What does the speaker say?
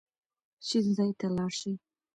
شین ځای ته لاړ شئ.